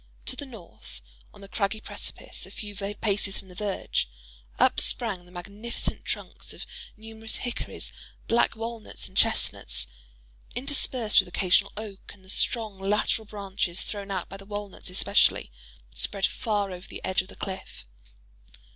To the north—on the craggy precipice—a few paces from the verge—up sprang the magnificent trunks of numerous hickories, black walnuts, and chestnuts, interspersed with occasional oak; and the strong lateral branches thrown out by the walnuts especially, spread far over the edge of the cliff.